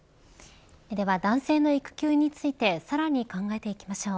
では男性の育休についてさらに考えていきましょう。